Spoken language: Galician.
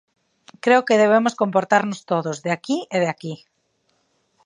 Creo que debemos comportarnos todos, de aquí e de aquí.